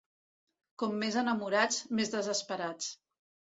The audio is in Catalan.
Com més enamorats, més desesperats.